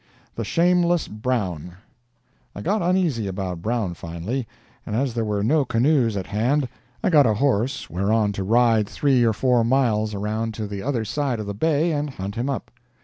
THE SHAMELESS BROWN I got uneasy about Brown finally, and as there were no canoes at hand I got a horse whereon to ride three or four miles around to the other side of the bay and hunt him up.